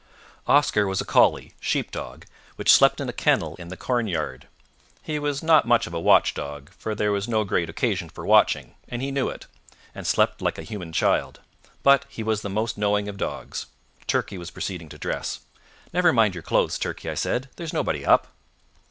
Oscar was a colley (sheep dog) which slept in a kennel in the cornyard. He was not much of a watch dog, for there was no great occasion for watching, and he knew it, and slept like a human child; but he was the most knowing of dogs. Turkey was proceeding to dress. "Never mind your clothes, Turkey," I said. "There's nobody up."